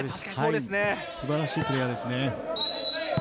素晴らしいプレーヤーですね。